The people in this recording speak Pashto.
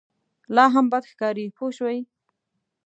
لا هم بد ښکاري پوه شوې!.